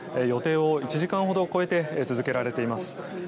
予定を１時間ほど超えて続けられています。